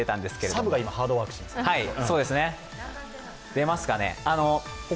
サブが今、ハードワークしていますね。